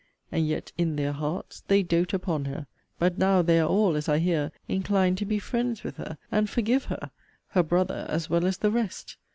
And yet in 'their hearts' they 'dote' upon her. But now they are all (as I hear) inclined to be 'friends with her,' and 'forgive her'; her 'brother,' as well as 'the rest.'